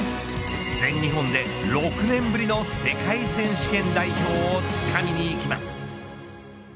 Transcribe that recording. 全日本で６年ぶりの世界選手権代表をつかみにいきます。